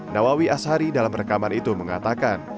nawawi ashari dalam rekaman itu mengatakan